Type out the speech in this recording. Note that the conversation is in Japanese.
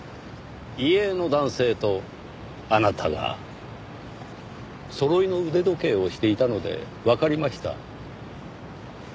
遺影の男性とあなたがそろいの腕時計をしていたのでわかりました。